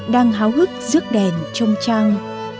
đang háo hức rước đèn trong trang